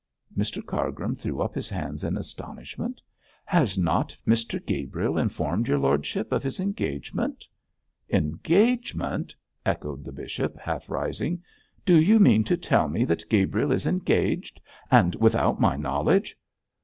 Mr Cargrim threw up his hands in astonishment. 'Has not Mr Gabriel informed your lordship of his engagement?' 'Engagement!' echoed the bishop, half rising, 'do you mean to tell me that Gabriel is engaged, and without my knowledge!'